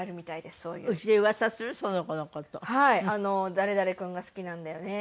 「誰々君が好きなんだよね」。